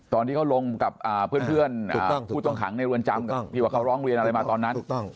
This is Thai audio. ตอนที่เขาลงกับเพื่อนผู้ต้องขังในเรือนจำที่ว่าเขาร้องเรียนอะไรมาตอนนั้น